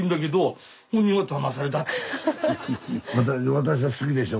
私は好きでしょ。